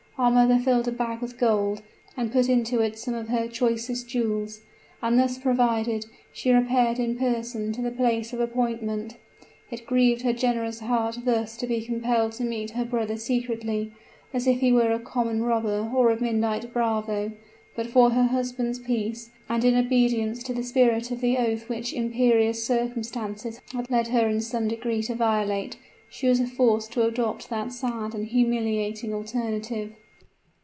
Our mother filled a bag with gold, and put into it some of her choicest jewels, and thus provided, she repaired in person to the place of appointment. It grieved her generous heart thus to be compelled to meet her brother secretly, as if he were a common robber or a midnight bravo; but for her husband's peace, and in obedience to the spirit of the oath which imperious circumstances had alone led her in some degree to violate, she was forced to adopt that sad and humiliating alternative."